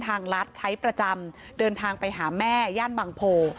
ทางรัฐใช้ประจำเดินทางไปหาแม่ย่านบางโพ